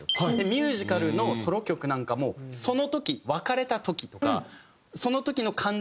ミュージカルのソロ曲なんかもその時別れた時とかその時の感情を「僕は」